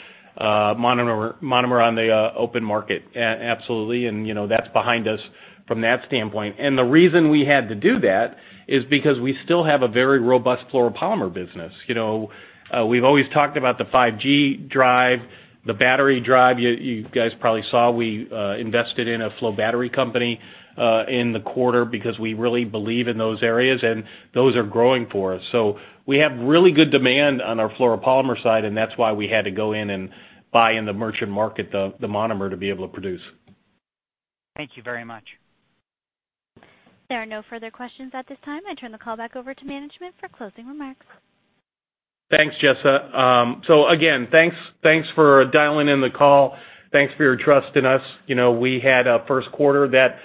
monomer on the open market. Absolutely, that's behind us from that standpoint. The reason we had to do that is because we still have a very robust fluoropolymer business. We've always talked about the 5G drive, the battery drive. You guys probably saw we invested in a flow battery company in the quarter because we really believe in those areas, and those are growing for us. We have really good demand on our fluoropolymer side, and that's why we had to go in and buy in the merchant market the monomer to be able to produce. Thank you very much. There are no further questions at this time. I turn the call back over to management for closing remarks. Thanks, Jessa. Again, thanks for dialing in the call. Thanks for your trust in us. We had a first quarter that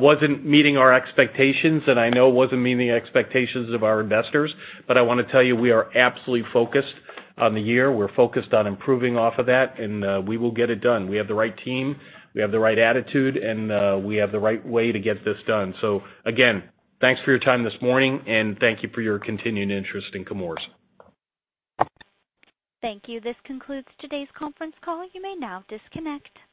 wasn't meeting our expectations, and I know it wasn't meeting the expectations of our investors. I want to tell you, we are absolutely focused on the year. We're focused on improving off of that, and we will get it done. We have the right team, we have the right attitude, and we have the right way to get this done. Again, thanks for your time this morning, and thank you for your continued interest in Chemours. Thank you. This concludes today's conference call. You may now disconnect.